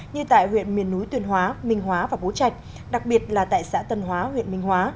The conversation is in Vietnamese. như tại huyện miền núi tuyên hóa minh hóa và bố trạch đặc biệt là tại xã tân hóa huyện minh hóa